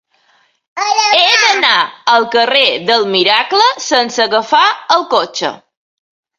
He d'anar al carrer del Miracle sense agafar el cotxe.